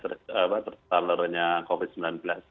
tersebar loronya covid sembilan belas